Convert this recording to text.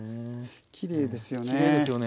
きれいですよね。